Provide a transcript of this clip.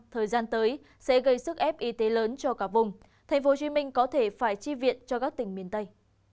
thời gian tới sẽ gây sức ép y tế lớn cho cả vùng tp hcm có thể phải chi viện cho các tỉnh miền tây